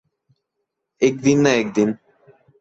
এক দিন না এক দিন।